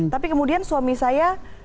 tapi kemudian suami saya